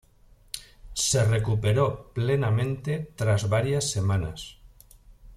Se recuperó plenamente tras varias semanas.